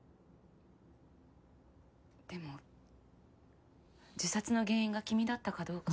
でも自殺の原因が君だったかどうかは。